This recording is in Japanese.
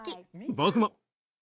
僕も。